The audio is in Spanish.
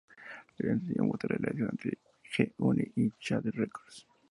El sencillo muestra la relación entre G-Unit y Shady Records.